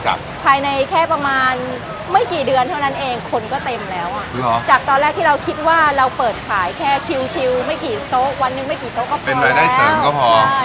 ใช่รายได้เสริมก็พอเพราะเรามีงานหลักของเราอยู่แล้ว